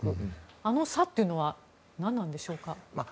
あの差というのは何なんでしょうか。